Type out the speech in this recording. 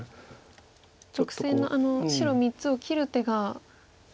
直線の白３つを切る手が。